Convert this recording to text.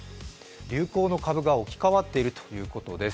流行の株が置き換わっているということです。